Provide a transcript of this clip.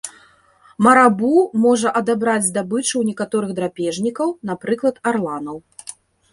Марабу можа адабраць здабычу ў некаторых драпежнікаў, напрыклад, арланаў.